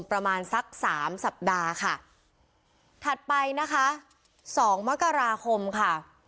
ประมาณสักสามสัปดาห์ค่ะถัดไปนะคะสองมกราคมค่ะ